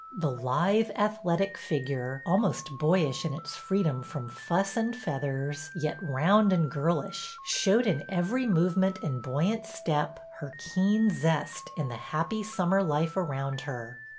The lithe, athletic figure, almost boyish in its freedom from '' fuss and feathers,'' yet round and girlish, showed in every movement and buoyant step her keen zest in the happy summer life around her.